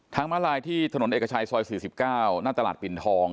มาลายที่ถนนเอกชัยซอย๔๙หน้าตลาดปิ่นทอง